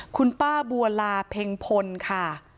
คุณป้าบัวลาเพ็งพลค่ะ